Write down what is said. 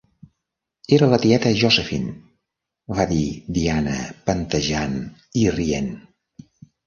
"Era la tieta Josephine", va dir Diana panteixant i rient.